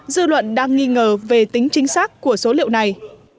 dư luận đang nghi ngờ về tính chính xác của số liệu này